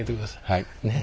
はい。